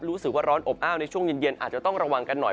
รู้สึกว่าร้อนอบอ้าวในช่วงเย็นอาจจะต้องระวังกันหน่อย